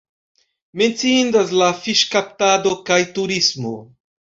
Menciindas la fiŝkaptado kaj turismo.